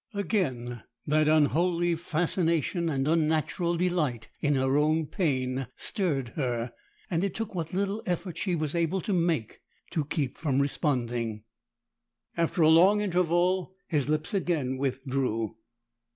Again that unholy fascination and unnatural delight in her own pain stirred her, and it took what little effort she was able to make to keep from responding. After a long interval, his lips again withdrew.